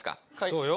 そうよ。